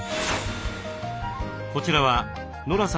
こちらはノラさん